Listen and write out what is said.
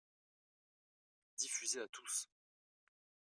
Diffuser à tous.